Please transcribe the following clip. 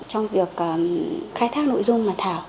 trong việc khai thác nội dung bản thảo